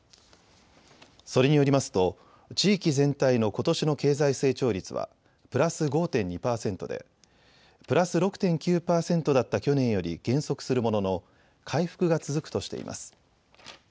それによりますと地域全体のことしの経済成長率はプラス５．２％でプラス６．９％だった去年より減速するものの回復が続くとしています。